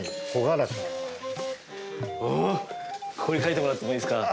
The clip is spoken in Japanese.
ここに書いてもらってもいいですか。